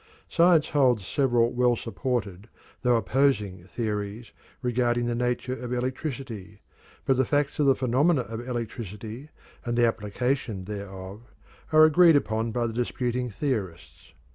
Science holds several well supported, though opposing, theories regarding the nature of electricity, but the facts of the phenomena of electricity, and the application thereof, are agreed upon by the disputing theorists.